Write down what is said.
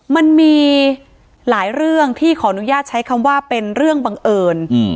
มันมีหลายเรื่องที่ขออนุญาตใช้คำว่าเป็นเรื่องบังเอิญ